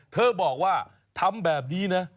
เธอบอกว่าทำแบบนี้นะ